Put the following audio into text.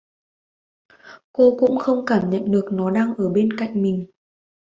Cô cũng Không Cảm nhận được nó đang ở bên cạnh mình